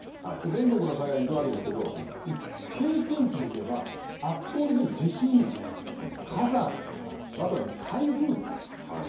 全国の災害に行ってきましたが経験値で言えば圧倒的に地震、火山あとは台風です。